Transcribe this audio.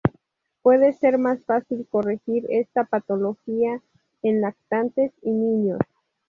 Puede ser más fácil corregir esta patología en lactantes y niños.